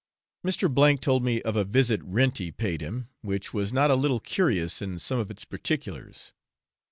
Mr. told me of a visit Renty paid him, which was not a little curious in some of its particulars.